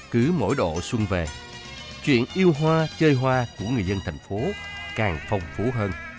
cứ mỗi độ xuân về chuyện yêu hoa chơi hoa của người dân thành phố càng phong phú hơn